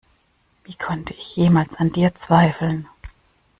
Wie konnte ich jemals an dir zweifeln?